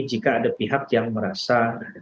jika ada pihak yang merasa